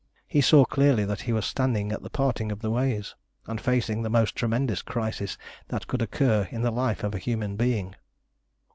He saw clearly that he was standing at the parting of the ways, and facing the most tremendous crisis that could occur in the life of a human being.